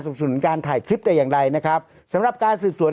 สนุนการถ่ายคลิปแต่อย่างใดนะครับสำหรับการสืบสวน